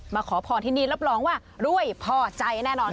ขอพรที่นี่รับรองว่ารวยพอใจแน่นอน